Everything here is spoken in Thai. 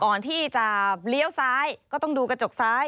ก่อนที่จะเลี้ยวซ้ายก็ต้องดูกระจกซ้าย